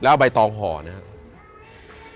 เอาใบตองห่อนะครับ